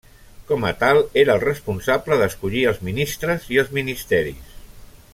Com a tal era el responsable d'escollir els ministres i els ministeris.